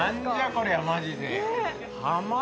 こりゃマジで。